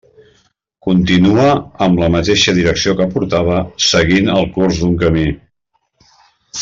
Continua, amb la mateixa direcció que portava, seguint el curs d'un camí.